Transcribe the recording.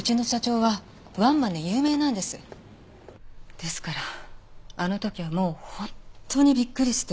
ですからあの時はもう本当にびっくりして。